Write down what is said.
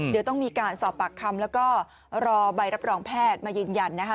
เดี๋ยวต้องมีการสอบปากคำแล้วก็รอใบรับรองแพทย์มายืนยันนะคะ